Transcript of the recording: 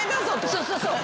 そうそうそう。